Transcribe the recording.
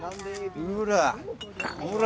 ほら。